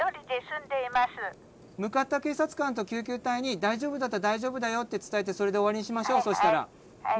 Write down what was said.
向かった警察官と救急隊に大丈夫だったら「大丈夫だよ」って伝えてそれで終わりにしましょうそしたら。ね？